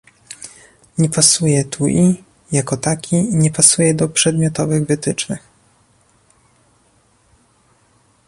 Nie pasuje tu i, jako taki, nie pasuje do przedmiotowych wytycznych